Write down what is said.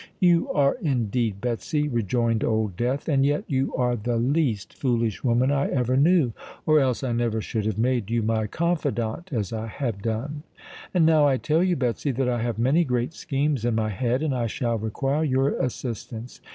"You are indeed, Betsy," rejoined Old Death. "And yet you are the least foolish woman I ever knew; or else I never should have made you my confidant as I have done. And now I tell you, Betsy, that I have many great schemes in my head; and I shall require your assistance.